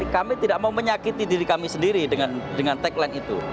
kami tidak mau menyakiti diri kami sendiri dengan tagline itu